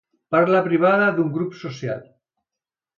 Parla privada d'un grup social.